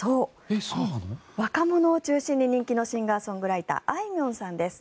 若者を中心に人気のシンガー・ソングライターあいみょんさんです。